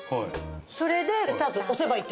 それでスタート押せばいいって事？